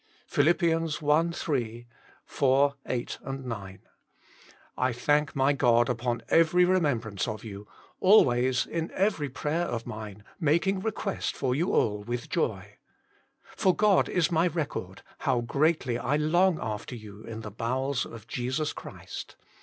Phil. i. 3, 4, 8, 9 : "I thank my God upon every remembrance of you, always in every prayer of mine making request for you all with joy. For God is my record, how greatly I long after you all in the bowels of Jesus Christ.